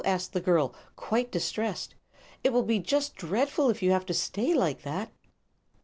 asked the girl, quite distressed. "It will be just dreadful if you have to stay like that."